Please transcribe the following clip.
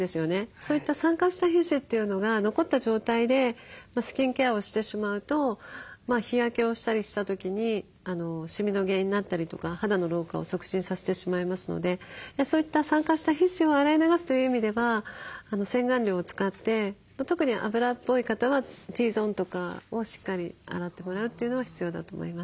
そういった酸化した皮脂というのが残った状態でスキンケアをしてしまうと日焼けをしたりした時にしみの原因になったりとか肌の老化を促進させてしまいますのでそういった酸化した皮脂を洗い流すという意味では洗顔料を使って特に脂っぽい方はＴゾーンとかをしっかり洗ってもらうというのが必要だと思います。